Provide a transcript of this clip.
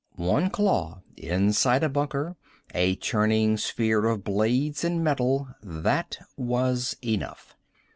One claw inside a bunker, a churning sphere of blades and metal that was enough.